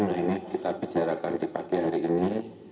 nah ini kita bicarakan di pagi hari ini